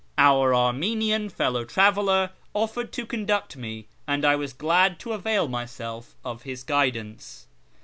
Our Armenian fellow traveller offered to conduct me, and I was glad to avail myself of his guidance.